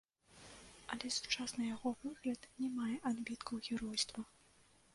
Але сучасны яго выгляд не мае адбіткаў геройства.